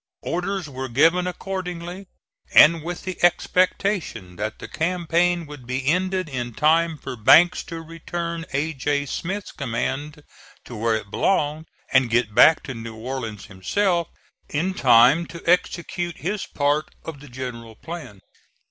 Orders were given accordingly, and with the expectation that the campaign would be ended in time for Banks to return A. J. Smith's command to where it belonged and get back to New Orleans himself in time to execute his part in the general plan.